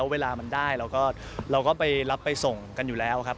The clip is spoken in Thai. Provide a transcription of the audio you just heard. เวลามันได้เราก็ไปรับไปส่งกันอยู่แล้วครับ